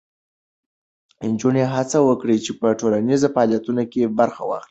نجونې هڅه وکړي چې په ټولنیزو فعالیتونو کې برخه واخلي.